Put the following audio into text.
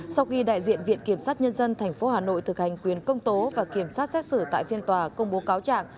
sau khi đại diện viện kiểm sát nhân dân tp hà nội thực hành quyền công tố và kiểm sát xét xử tại phiên tòa công bố cáo trạng